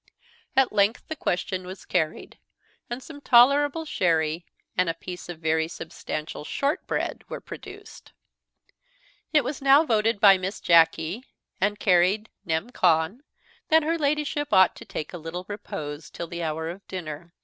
At length the question was carried; and some tolerable sherry and a piece of very substantial shortbread were produced. It was now voted by Miss Jacky, and carried nem. con. that her Ladyship ought to take a little repose till the hour of dinner.